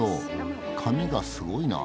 髪がすごいなあ。